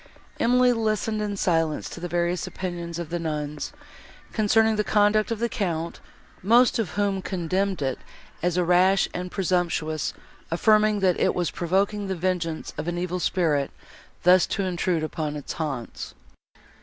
Emily listened in silence to the various opinions of the nuns, concerning the conduct of the Count, most of whom condemned it as rash and presumptuous, affirming, that it was provoking the vengeance of an evil spirit, thus to intrude upon its haunts.